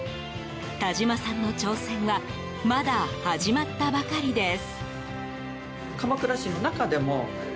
田島さんの挑戦はまだ始まったばかりです。